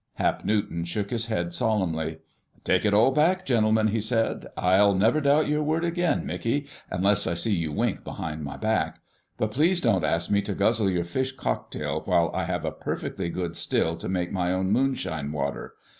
Hap Newton shook his head solemnly. "I take it all back, gentlemen," he said. "I'll never doubt your word again, Mickey, unless I see you wink behind my back. But please don't ask me to guzzle your fish cocktail while I have a perfectly good still to make my own moonshine water.